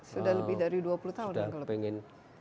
sudah lebih dari dua puluh tahun